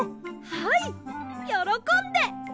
はいよろこんで！